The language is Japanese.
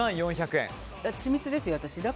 緻密ですよ、私。